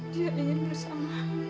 dia ingin bersama hany